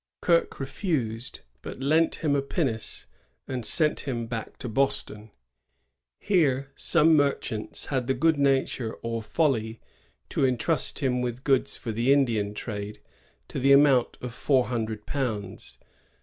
Kirke refused, but lent him a pinnace and sent him back to Boston. Here some merchants had the good nature or folly to intrust him with goods for the Indian trade, to the amount of four hundred pounds.